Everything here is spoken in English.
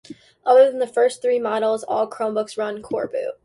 Other than the first three models, all Chromebooks run Coreboot.